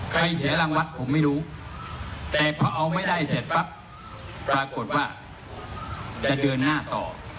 เสียรังวัดผมไม่รู้แต่พอเอาไม่ได้เสร็จปั๊บปรากฏว่าจะเดินหน้าต่อ